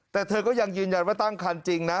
แต่เธอก็ยังยืนยันว่าตั้งคันจริงนะ